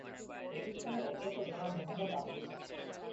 প্রতিষ্ঠানের অধ্যক্ষ জনাব মোহাম্মদ আবদুস সাত্তার।